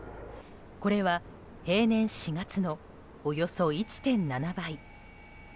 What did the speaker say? これは平年４月のおよそ１．７倍。